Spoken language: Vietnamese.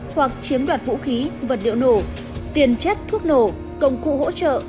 hoặc chiếm đoạt vũ khí vật liệu nổ tiền chất thuốc nổ công cụ hỗ trợ